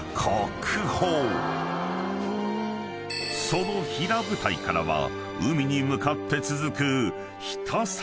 ［その平舞台からは海に向かって続く］